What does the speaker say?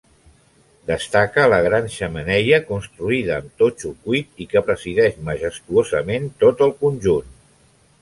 Destaca la gran xemeneia construïda amb totxo cuit i que presideix majestuosament tot el conjunt.